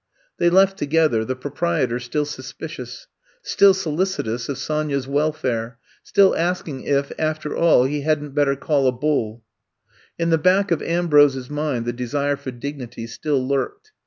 They left together, the proprietor still suspicious, still solicitous of Sonya^s wel fare, still asking if after all he hadn't bettercallabull.'' In the back of Ambrose *s mind the desire for dignity still lurked.